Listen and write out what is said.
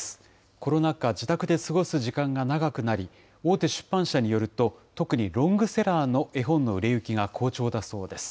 コロナ禍、自宅で過ごす時間が長くなり、大手出版社によると、特にロングセラーの絵本の売れ行きが好調だそうです。